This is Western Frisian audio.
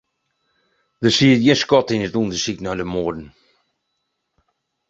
Der siet gjin skot yn it ûndersyk nei de moarden.